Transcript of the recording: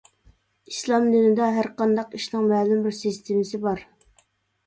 ئىسلام دىنىدا ھەرقانداق ئىشنىڭ مەلۇم بىر سىستېمىسى بار.